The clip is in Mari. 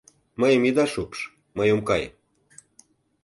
Мыйым ида шупш, мый ом кай.